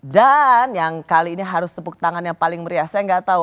dan yang kali ini harus tepuk tangan yang paling meriah saya gak tau